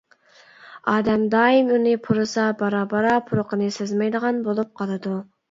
ئادەم دائىم ئۇنى پۇرىسا بارا-بارا پۇرىقىنى سەزمەيدىغان بولۇپ قالىدۇ.